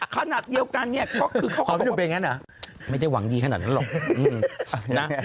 ขนาดเดียวกันเขานะครับว่าไม่ได้หวังดีขนาดนั้นหรอกนะ